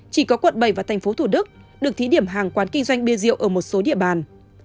chỉ có quận bảy và tp hcm được thí điểm hàng quán kinh doanh bia rượu ở một số địa bàn